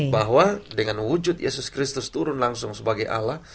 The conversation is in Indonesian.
bahwa dengan wujud yesus kristus turun langsung sebagai alat